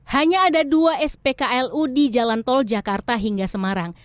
hanya ada dua spklu di jalan tol jakarta hingga semarang